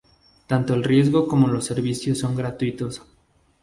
Tanto el registro como los servicios son gratuitos.